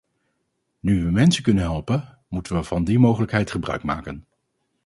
Nu we mensen kunnen helpen, moeten we van die mogelijkheid gebruik maken.